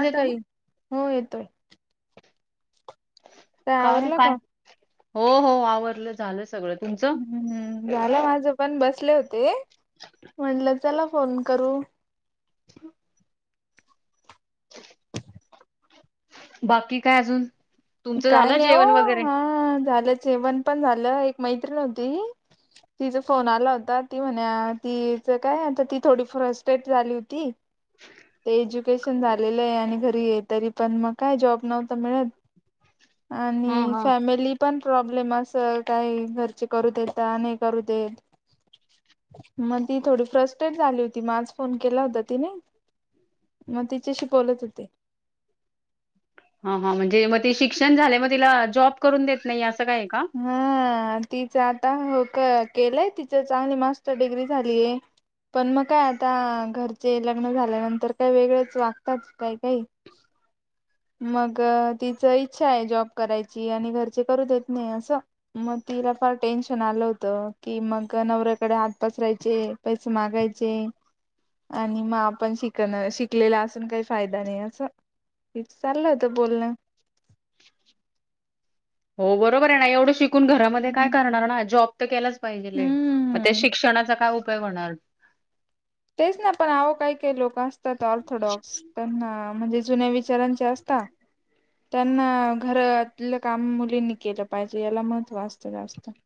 आता येतो ना ये हो येतोय काय आवरला का हो हो आवरलं झालंच हम्म हम्म झालं माझ पण बसले हो ते म्हटलं चला फोन करू [inaudible] बाकी काय अजून तुमचं काय झालं नाही जेवण वगैरे हो हा झालं जेवण पण झालं एक मैत्रिण होती तिचा फोन आला होता ती म्हणा तिच काय आता ती थोडी फ्रस्टेट झाली होती ते एज्युकेशन झालेलं आहे आणि घरी ये तरी पण मग काय जॉब नव्हत मिळत हा आणि हा फॅमिली पण प्रॉब्लेम अस काही घरची करू देता नाही करू देत मग ती थोडी फ्रस्टेट झाली होती माझ फोन केला होता तिने मग तिच्याशी बोलत होते ह हा म्हणजे मग ते शिक्षण झाले मग तिला जॉब देत नाही अस काय का हा तिचं आता हो का केलंय तिच चांगली मास्टर डिग्री झालीय पण मग काय आता घरचे लग्न झाल्यानंतर काय वेगळेच वागतात काय काही [inaudible] मग तिच इच्छा आहे जॉब करायची आणि घरची करू देत नाही अस मग तिला फार टेन्शन आलं होत की मग नवऱ्याकडे हात पसरायचे पैसे मागायचे आणि मग आपण शिकण शिकलेला असून काही फायदा नाही असं हे चाललं होत बोलणं हो बरोबर आहे ना एवढं शिक घरा काय करणार जॉब केलाच पाहिजेग हम्म. शषणा काय काय होणार तेच ना पण आवो काही काही लोक असतात ऑर्थोडॉक्स त्यांना म्हणजे जुन्या विचारांचे असत त्यांना घरातलं काम मुलींनी केलं पाहिजे याला महत्त्व असतं जास्त [inaudible]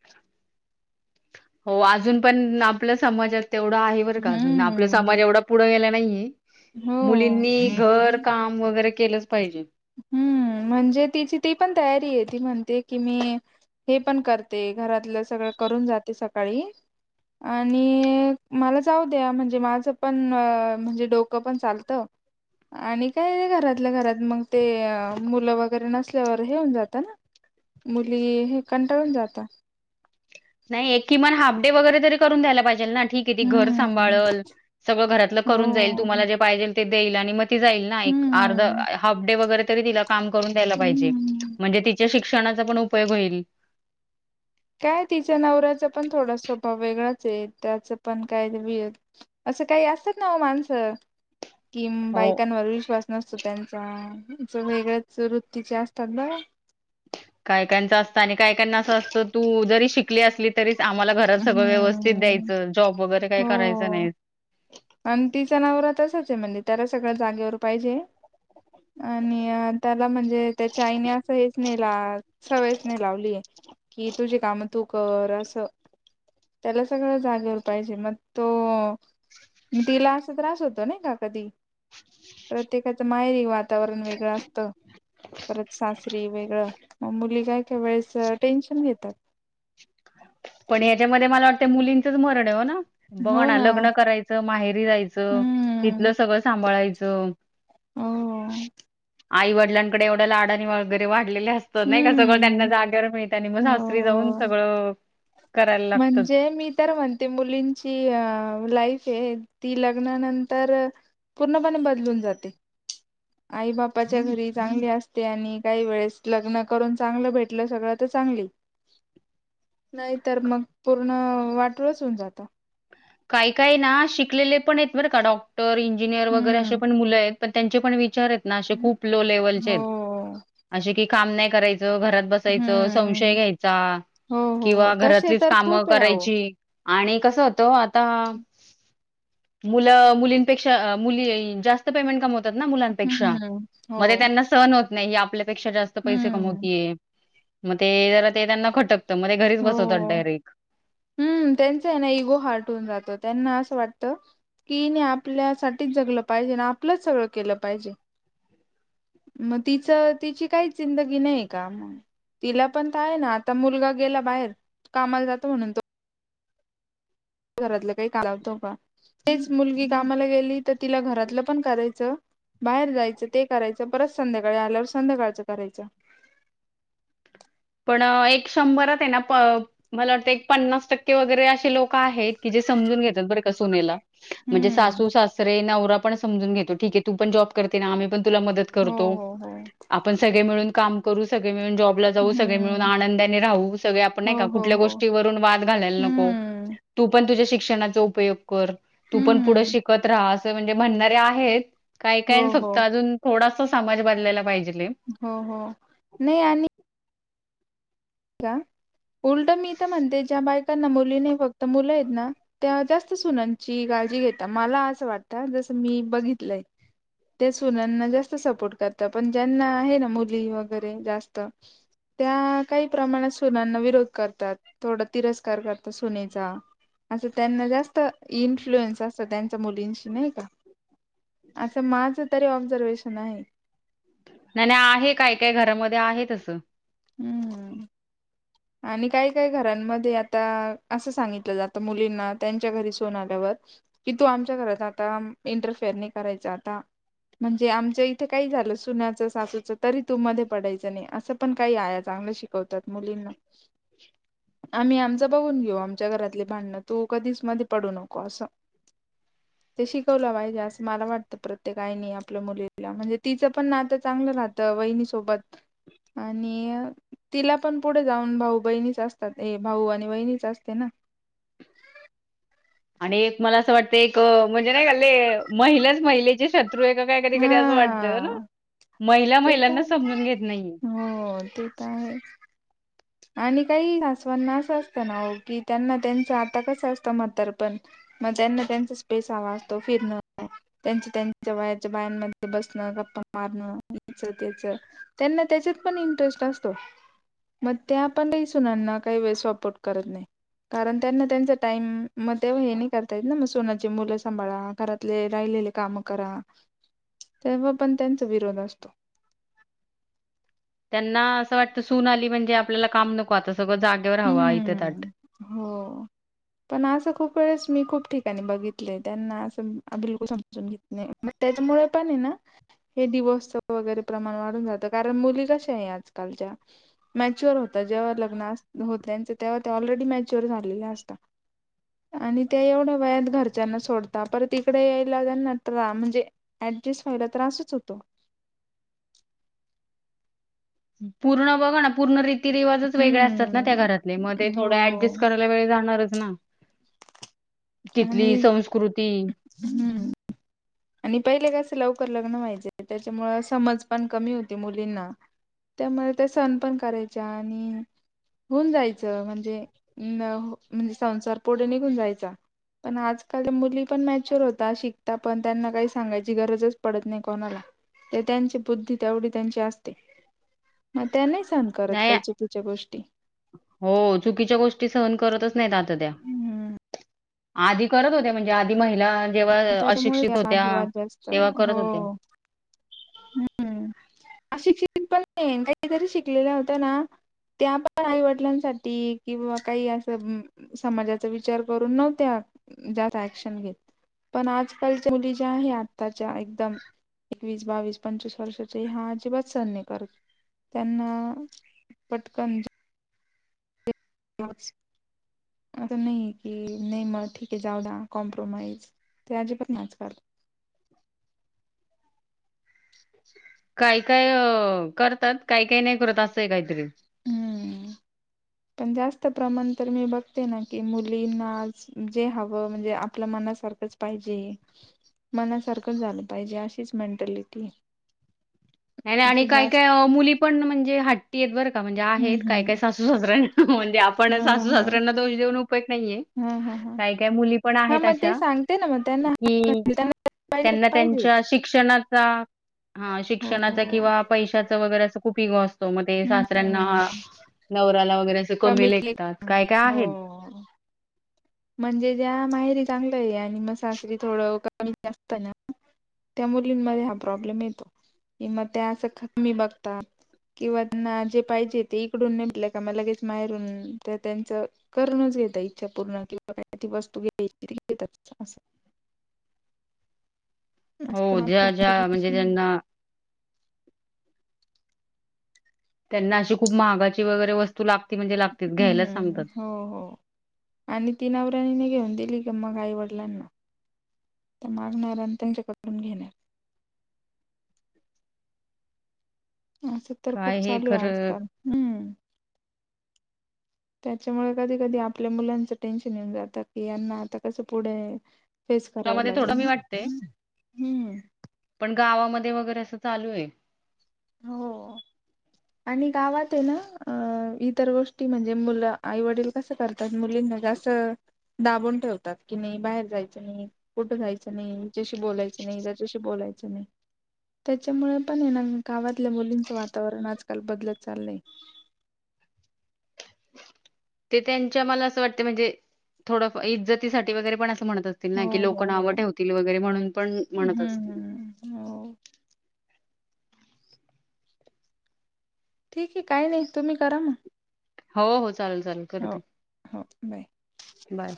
हो अजून पण आपल्या समाजात तेवढं आहे बर का अजून आपला हम्म समाज एवढा पुढे गेला हो घ का व हम्म म्हणजे तिची ती पण तयारी आहे ती म्हणते की मी हे पण करते घरातलं सगळं करून जाते सकाळी आणि मला जाऊ द्या म्हणजे माझं पण म्हणजे डोकं पण चालतं आणि काय र घरातल्या घरात मग ते मुलं वगैरे नसल्यावर हे होऊन जातं ना मुली हे कंटाळून जात नाही एक किमान हाफ डे वगैरे तरी करून द्यायला पाहिजे ना ठी घर हम्म सांभाळल सगळं घरात करून जाईल हो. तुम्हाला जे पाहिजे ते देईल ह व हम्म. तमून दय हम्म. म्हण श्षणाचा पण उपयोग होईल काय तिच्या नवऱ्याचा पण थोडा स्वभाव वेगळा त्याच पण काय व असं काही असतात ना माणसं कि हो. बायकांवर विश्वास नसतो त्यांचा वेगळ्याच वृत्तीचे असतात ना कायकच असतं आणि कायकना असं असतं तू जरी शिकली असली तरी आम्हाला घरात सगळं व्यवस्थित हम्म. द्यायचं जॉब वगैरे काही करायचं हो. नाही आणि तिच नावर तसच आहे म्हणजे त्याला सगळ्या जागेवर पाहिजे आणि त्याला म्हणजे त्याच्या आईने अस हेच ने सवयच न लावलीय कि तुझी काम तू कर अस त्याला सगळं जागेवर पाहिजे मग तो तिला असं त्रास होतो नाही का कधी प्रत्येकाचं माहेरी वातावरण वेगळं असतं परत सासरी वेगळं म मुली काय काय वेळेस टेन्शन घेतात पण ह्याच्यामध्ये मला वाटते मुलींचंच मरण आहे हो ना बघ ना लग्न करायचं माहेरी जायचं हम्म तिथलं सगळं सांभाळायचं हो आई वडलांकडे एवढ्या लाडाने वगैरे वाढलेले असत नाही का सगळं त्यांना हम्म जागेवर मिळत आणि मग हो सासरी जाऊन सगळं करायला लागतं. म्हणजे मी तर म्हणते मुलींची अ लाईफ आहे ती लग्नानंतर पूर्णपणे बदलून जाते. आई बापाच्या घरी चांगली असते आणि काही वेळेस लग्न करून चांगलं भेटलं सगळं तर चां नाही तर मग पूर्ण वाटुळ होऊन जात. काही काय ना शिकलेले पण आहेत बरं का डॉक्टर इंजिनियर वगैरे असे हम्म. पण मुलं आहेत पण त्यांचे पण विचार आहेत ना असे खूप लो लेवलचे हो आहेत, असे की काम नाही करायचे घरात बसायचं संशय हम्म घ्यायचा हो हो हो किंवा तसे घरातलीच तर कामं खूप आहे अहो करायची आणि कसं होतं आ आता मुलं मुलीपेक्षा मुली जास्त पेमेंट कमवतात हम्म मुलांपेक्षा हम्म हो मध्ये त्यांना सहन होत नाही आपल्या त्यांच्यापेक्षा जास्त पैसे हम्म कमवतीये मग ते जरा ते त्यांना खटक हो हम्म त्यांच आहे ना इगो हार्ट होन जात त्यांना असं वाटतं कीने आपल्यासाठीच जगलं पाहिजे आणि आपलंच सगळं केलं पाहिजे. मग तिचं तिची काहीच जिंदगी नाही का मग? तिला पण तर आहे ना आता मुलगा गेला बाहेर कामाला जातो म्हणून तो घरातलं काही कालावत का तेच मुलगी- कामाला गेली तर तिला घरातलं पण करायचं बाहेर जायचं ते करायचं परत संध्याकाळी आल्यावर संध्याकाळचं करायचं [unintelligible] पण एक शंभर आहे मला वाटतं पन्नास टक्के वगैरे असे लोक आहेत की जे सम घेतात बरं सुनेला म्हणजे हम्म सासू, सासरे, नवरा पण समून घेतो ठीके तू पण जॉब करते ना आम्ही पण मदत हो करतो हो हो आपण सगळे मिळून काम करू सगळे मिळून जॉबला जाऊन सगळे मिळून हम्म आनंदाने राहू सगळे आपण नाही हो का हो कुठल्या हो गोष्टीवरून वाद घालायला नको. हम्म तू पण तुझ्या शिक शिक्षणा उपयोग कर तू पण पुढे हम्म शिकत राहा असं म्हणजे म्हणणारे आहेत काही हो काही हो फक्त अजून थोडासा समाज बदलायला पाहिजे. हो हो नाही आणि [inaudible] उलट मी तर म्हणते ज्या बायकांना मुलीने फक्त मुलं आहेत ना त्या जास्त सुनची गा काळजी घेता मला अस वाट जस मी बघितलंय ते सुनांना जास्त सपोर्ट करतात पण ज्यांना आहे ना मुली वगैरे जास्त त्या काही प्रमाणात सुनांना विरोध करतात थोडा तिरस्कार करतात सुनेचा. असं त्यांना जास्त इन्फ्लुएन्स असतं त्यांच्या मुलींशी नाही का असं माझं तरी ऑब्झर्वेशन आहे ते आहे तसं. हम्म. आणि काही काही घरांमध्ये आता असं सांगितलं जातं मुलींना त्यांच्या घरी सोन आल्यावर कि तू आमच्या घरात आता इंटरफेअर नाही करायच आता म्हणजे आमच इथे काही झालं सुन्याचं सासूच तरी तू मध्ये पडायचं नाही असं पण काही आया चांगलं शिकवतात मुलींना. [inaudible] आम्ही आमचा बघून घेऊ आमच्या घरातले भांडणं तू कधीच मध्ये पडू नको असं [inaudible] ते शिकवलं पाहिजे असं मला वाटत प्रत्येक आईनी आपल्या मुलीला म्हणजे तिचं पण नात चांगलं राहतं. वयनी सोबत आणि तिला पण पुढे जाऊन भाऊ, बहिणीच असतात ए भाऊ आणि वहिणीच असते ना. [unintelligible] आणि एक मला असं वाटत एक म्हणजे नाही मल्ले महिलाच महिलेची श त्रु ए काय कधी कधी असं वाटत ना हा महिला ते तर महिलांना समजून घेत आहे. नाहीये. हो ते तर आहे आणि काही सासवांना असं असतं ना हो की त्यांना त्यांचं आता कसं असतं म्हताररपण मग त्यांना त्यांचा स्पेस हवा असतो. फिरणं त्यांच त्यांच्या वयाच्या बायांमध्ये बसणं गप्पा मारणं मग माझ त्याच त्यांच त्यांना त्याच्यात पण इंटरेस्ट असतो म ते आपण नाहीही सुना ना काही वेळ सपोर्ट करत नाही. कारण त्यांना त्यांचा टाईम मग ते हे नाही करतायेत. ना मग सुनची मुलं सांभाळा घरातले राहिले लेले काम करा. तेव्हा पण त्यांचा विरोध असतो. वाटत सुन आली म्हणजे आपल्याला काम नको आता. सगळं जागेवर हव इथे हम्म हो पण असं खूप वेळेस मी खूप ठिकाणी बघितले त्यांना असं बिलकुल समजून घेत नाही मग त्याच्यामुळे पण ना हे डिवोर्सच वगैरे प्रमाण वाढून जातं कारण मुली कशा आहे आजकालच्या मॅच्युअर होतात. जेव्हा लग्न अस हो तेव्हा ऑलरेडी मॅच्युअर झालेले असाता. आणि त्या एवढ्या वयात घरच्यांना सोडता परत इकडे यायलाना ट म्हणजे ॲ अड्जस्ट व्हायला त्रासच होतो. पूर्ण बघा ना पूर्ण री रती रिवाजच वेगळे असतात ना त्या हम्म घरातले मध्ये हो थोड ऍडजस्ट करायला वेळ जाणारच ना आणि तिथली संस्कृती हम् आणि पहिले कस लवकर लग्न व्हायच त्याच्यामुळे समज पण कमी होती मुलींना त्यामुळे त्या सण पण करायचे. आणि होऊन जायचं म्हणजे अ म्हणजे संसार पुढे निघून जायचा. पण आजकाल मुली पण मॅच्युर होता शिकता पण त्यांना काही सांगायची गरजच पडत नाही कोणाला. ते त्यांची बुद्धी तेवढी त्यांची असते. मग त्या नाही सहन करत नाही काही चुकीच्या गोष्टी. हो चुकीच्या गोष्टी सहन करतच नाहीत आता हम्म आधी करत होत्या म्हणजे आधी महि तला जेव्हा त्याच्यामुळे अशिक्षित होत्या वादविवाद जास्त तेव्हा करत होत्या. हो हम्म अशिक्षित पण नाही काहीतरी शिकलेल्या होत्या ना त्या पण आईवडिलांसाठी किंवा काही असं समाजाचा विचार करून नव्हत्या जास्त ऍक्शन घेत पण आजकालच्या मुली ज्या आहेत आत्ताच्या एकदम एकवीस बावीस पंचवीस वर्षाचे हा अजिबात सहन नाही करत. त्यांना पटकन [unintelligible] आता नाही की नाही मग ठीक आहे जाऊ दे कॉम्प्रोमाइज ते अजिबात ना आजकाल काही काय करतात काही काही नाही करत असंय काहीतरी. हम्म पण जास्त प्रमाण तर मी बघते ना की मुलींना जे हवं म्हणजे आपल्या मनासारखं मनासारखं पाहिजे मनासारखं झालं पाहिजे अशीच मेंटलिटी आणि काय काय मुली पण म्हणजे ह ी आहेत बरं का म्हणजे आहेत हम्म काय काय हम्म सासू सासऱ्यां म्हणजे ह आपण सासू ह सासऱ्यांना दोष देऊन उपयोग नाहीये ह ह ह काही काय मुली पण हा आहेत मग ते अशा सांगते ना मग त्यांना कि त्यांना पाहिजे ते त्यांना पाहिजेच त्यांच्या शिक्षणाचा हा हो शिक्षण प वप असतो वगैरे हम्म अस कमी लेतात काय काय हो आहे म्हणजे त्या माहेरी चांगलं आहे आणि मग सासरी थोडं कमी जास्त ना त्या मुलींमध्ये हा प्रॉब्लेम येतो कि मवा ते असं कमी बघतात किंवा जे पाहिजे ते इकडून ने का म लगेच महेरून त्यांच करण इच्छा पूर्ण किंवा काही त वस्तू घ्याचीरी घेत अस हो ज्या ज्या म्हणजे असं नाही. त्यां्यांना त्यांना अशी खूप महागाची वगैरे वस्तू लागते हम्म हम्म हो हो आणि तीन आवरणीने घेऊन दिली क मग आईवडलांना त्या मागणाऱ्या आणि त्यांच्याकडून घेण्यात असं तर खूप काय हे चालू आहे खरं आजकाल हम्म त्याच्यामुळे कधी कधी आपल्या मुलांचं टेन्शन येऊन जातं की यांना आता कसं पुढे फेस करावं मध्ये थोडं लागेल कमी वाटतंय हम्म पण गावामध्ये वगैरे असं चालू आहे हो आणि गावात आहे ना अ इतर गोष्टी म्हणजे मुलं आई वडील कसं करतात मुलींना जास्त दाबून ठेवतात कि नाही बाहेर जायचं नाही कुठं जायचं नाही जशी बोलायचं नाही त्याच्याशी बोलायचं त्याच्यामुळे पण ना गावातल्या मुलींचं वातावरण आज काल बदलत चाल नाही ते त्यांच्या मला असं वाटते म्हणजे थोडं इज्जतीसाठी वगरे पण अस म्हणत असतील ना हो की लोक हो ना आव हो ठेवतील वगैरे म्हणून पण म्हणत हम्म असतील हम्म हो ठीक आहे काही नाही तुम्ही करा मग हो हो चालेल चालेल हो करते हो बाय बाय